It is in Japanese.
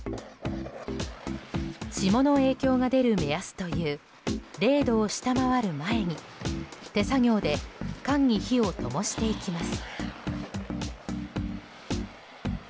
霜の影響が出る目安という０度を下回る前に、手作業で缶に火をともしていきます。